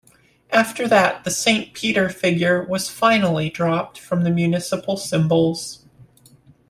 After that the Saint Peter figure was finally dropped from the municipal symbols.